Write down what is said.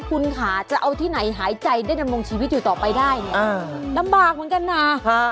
คุณขาจะเอาที่ไหนหายใจได้ในระมวงชีวิตอยู่ต่อไปได้อ้าวลำบากเหมือนกันน่ะฮะ